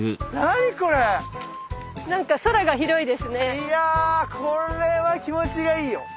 いやこれは気持ちがいいよ。